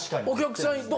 お客さん